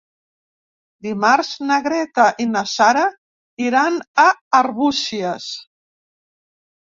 Dimarts na Greta i na Sara iran a Arbúcies.